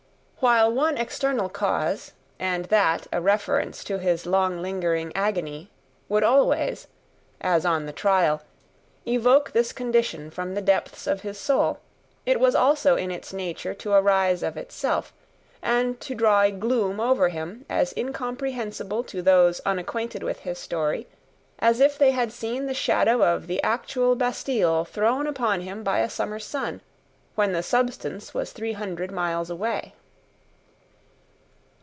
While one external cause, and that a reference to his long lingering agony, would always as on the trial evoke this condition from the depths of his soul, it was also in its nature to arise of itself, and to draw a gloom over him, as incomprehensible to those unacquainted with his story as if they had seen the shadow of the actual Bastille thrown upon him by a summer sun, when the substance was three hundred miles away.